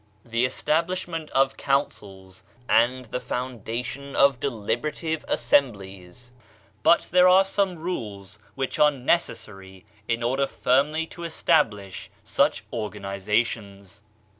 The establishment of Councils, and the founda tion of deliberative Assemblies arc the solid basis of politics; but there are some rules which are necessary in order firmly to establish such or ganizations.